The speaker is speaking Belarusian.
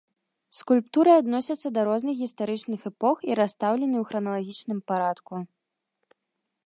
Скульптуры адносяцца да розных гістарычных эпох і расстаўлены ў храналагічным парадку.